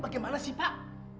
bagaimana sih pak